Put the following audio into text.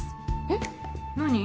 えっ何？